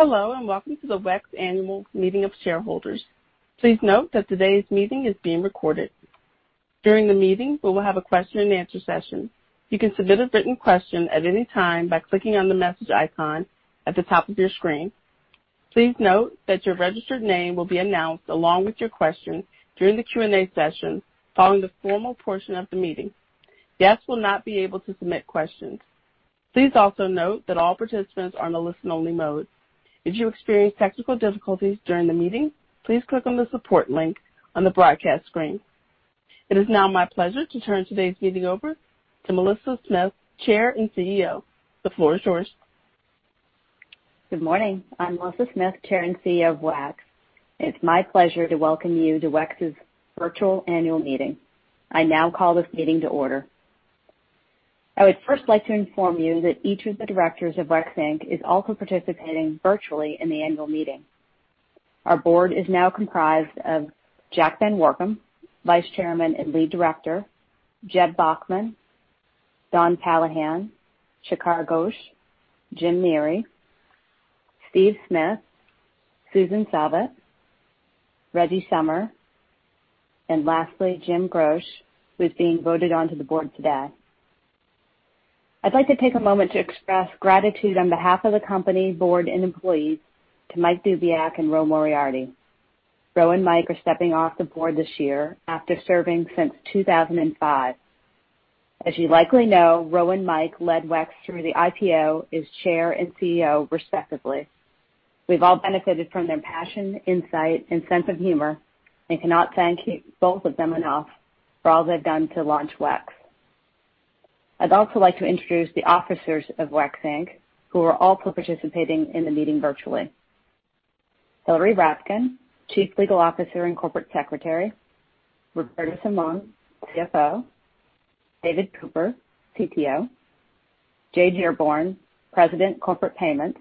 Hello, and welcome to the WEX Annual Meeting of Shareholders. Please note that today's meeting is being recorded. During the meeting, we will have a question and answer session. You can submit a written question at any time by clicking on the message icon at the top of your screen. Please note that your registered name will be announced along with your question during the Q&A session following the formal portion of the meeting. Guests will not be able to submit questions. Please also note that all participants are in a listen only mode. If you experience technical difficulties during the meeting, please click on the support link on the broadcast screen. It is now my pleasure to turn today's meeting over to Melissa Smith, Chair and CEO. The floor is yours. Good morning. I'm Melissa Smith, Chair and CEO of WEX. It's my pleasure to welcome you to WEX's virtual annual meeting. I now call this meeting to order. I would first like to inform you that each of the directors of WEX Inc. is also participating virtually in the annual meeting. Our board is now comprised of Jack VanWoerkom, Vice Chairman and Lead Director, Jeb Bachman, Don Palahan, Shikhar Ghosh, Jim Neary, Steve Smith, Susan Sobbott, Reggie Sommer, and lastly, James Groch, who is being voted onto the board today. I'd like to take a moment to express gratitude on behalf of the company, board, and employees to Mike Dubyak and Ro Moriarty. Ro and Mike are stepping off the board this year after serving since 2005. As you likely know, Ro and Mike led WEX through the IPO as Chair and CEO respectively. We've all benefited from their passion, insight, and sense of humor, and cannot thank both of them enough for all they've done to launch WEX. I'd also like to introduce the officers of WEX Inc., who are also participating in the meeting virtually. Hilary Rapkin, Chief Legal Officer and Corporate Secretary, Roberto Simon, CFO, David Cooper, CTO, Jay Dearborn, President, Corporate Payments,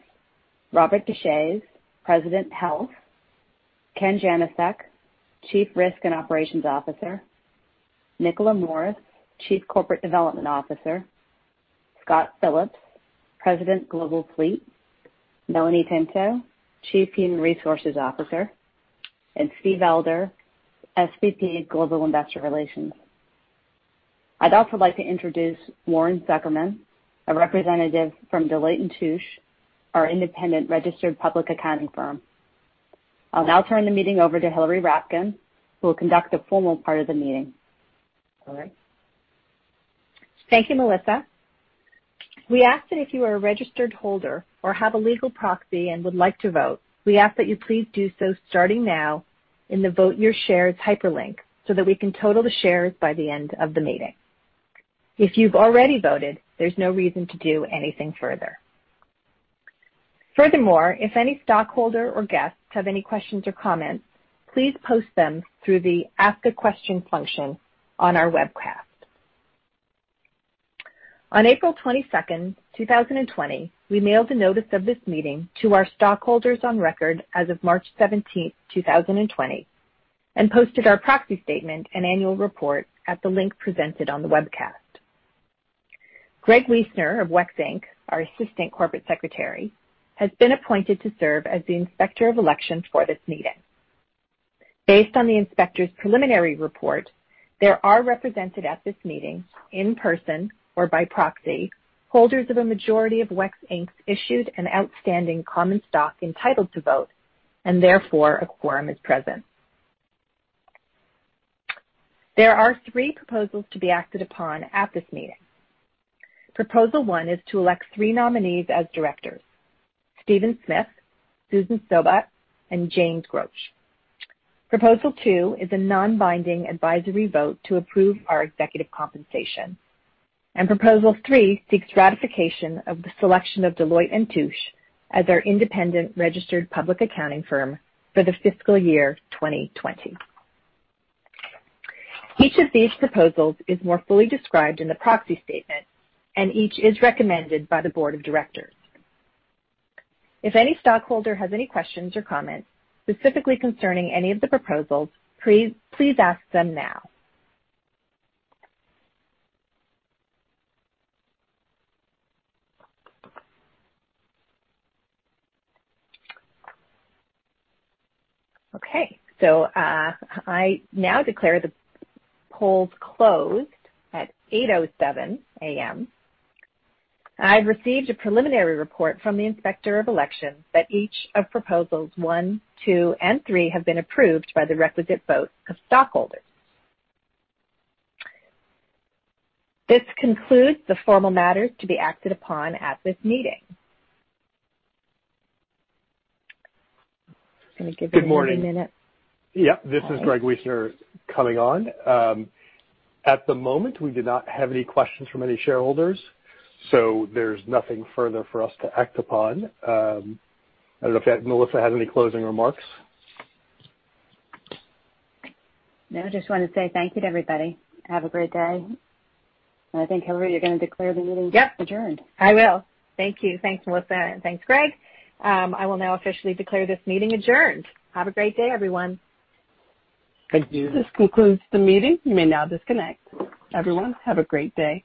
Robert Deshaies, President, Health, Kenneth Janosick, Chief Risk & Operations Officer, Nicola Morris, Chief Corporate Development Officer, Scott Phillips, President, Global Fleet, Melanie Tinto, Chief Human Resources Officer, and Steve Elder, SVP Global Investor Relations. I'd also like to introduce Warren Zuckerman, a representative from Deloitte & Touche, our independent registered public accounting firm. I'll now turn the meeting over to Hilary Rapkin, who will conduct the formal part of the meeting. Hilary? Thank you, Melissa. We ask that if you are a registered holder or have a legal proxy and would like to vote, we ask that you please do so starting now in the Vote Your Shares hyperlink so that we can total the shares by the end of the meeting. If you've already voted, there's no reason to do anything further. Furthermore, if any stockholder or guests have any questions or comments, please post them through the Ask a Question function on our webcast. On April 22nd, 2020, we mailed a notice of this meeting to our stockholders on record as of March 17th, 2020, and posted our proxy statement and annual report at the link presented on the webcast. Greg Wiesner of WEX Inc., our Assistant Corporate Secretary, has been appointed to serve as the Inspector of Election for this meeting. Based on the inspector's preliminary report, there are represented at this meeting, in person or by proxy, holders of a majority of WEX Inc.'s issued and outstanding common stock entitled to vote, and therefore a quorum is present. There are three proposals to be acted upon at this meeting. Proposal 1 is to elect three nominees as directors, Stephen Smith, Susan Sobbott, and James Groch. Proposal 2 is a non-binding advisory vote to approve our executive compensation. Proposal 3 seeks ratification of the selection of Deloitte & Touche as our independent registered public accounting firm for the fiscal year 2020. Each of these proposals is more fully described in the proxy statement, and each is recommended by the board of directors. If any stockholder has any questions or comments specifically concerning any of the proposals, please ask them now. Okay, I now declare the polls closed at 8:00 A.M. I've received a preliminary report from the Inspector of Elections that each of proposals one, two, and three have been approved by the requisite votes of stockholders. This concludes the formal matters to be acted upon at this meeting. I'm gonna give everybody a minute. Good morning. Yeah, this is Greg Wiesner coming on. At the moment, we do not have any questions from any shareholders, so there's nothing further for us to act upon. I don't know if Melissa has any closing remarks. No, just want to say thank you to everybody. Have a great day. I think, Hilary, you're going to declare the meeting. Yep adjourned. I will. Thank you. Thanks, Melissa, and thanks, Greg. I will now officially declare this meeting adjourned. Have a great day, everyone. Thank you. This concludes the meeting. You may now disconnect. Everyone, have a great day.